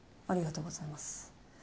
ありがとうございます。